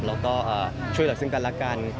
แล้วก็ช่วยกับสิ่งการรักกัน